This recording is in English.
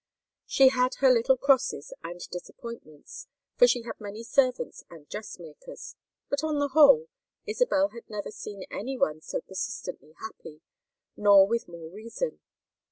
She had her little crosses and disappointments, for she had many servants and dressmakers; but, on the whole, Isabel had never seen any one so persistently happy, nor with more reason.